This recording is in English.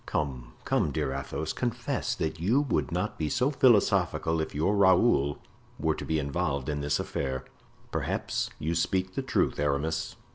"Come, come, dear Athos, confess that you would not be so philosophical if your Raoul were to be involved in this affair." "Perhaps you speak the truth, Aramis."